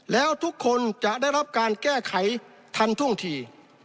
แล้วทุกคนจะได้รับการแก้ไขทันท่วงที